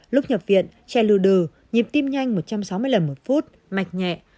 lúc nhập viện che lưu đừ nhịp tim nhanh một trăm sáu mươi lần một phút mạch nhẹ